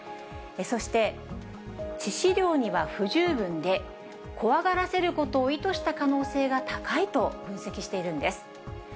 そして致死量には不十分で、怖がらせることを意図した可能性が高いと分析しているんです。